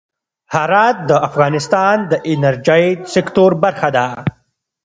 هرات د افغانستان د انرژۍ سکتور برخه ده.